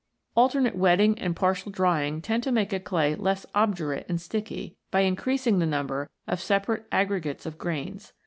Alternate wetting and partial drying tend to make a clay less obdurate and sticky, by increasing the number of separate aggregates of grains.